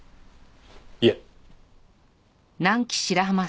いえ。